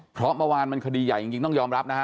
เพราะเมื่อวานมันคดีใหญ่จริงต้องยอมรับนะฮะ